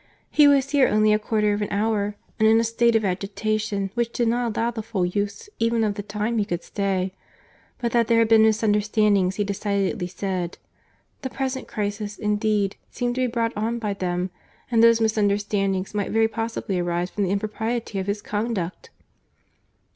He was here only a quarter of an hour, and in a state of agitation which did not allow the full use even of the time he could stay—but that there had been misunderstandings he decidedly said. The present crisis, indeed, seemed to be brought on by them; and those misunderstandings might very possibly arise from the impropriety of his conduct."